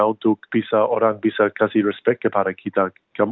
untuk orang bisa kasih respek kepada kita